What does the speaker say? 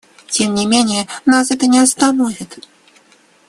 Тем не менее нас это не остановит.